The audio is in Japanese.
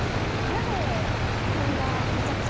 なぜこんな。